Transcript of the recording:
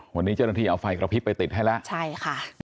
วันนี้เจ้าหน้าที่เอาไฟกระพริบไปติดให้แล้วใช่ค่ะ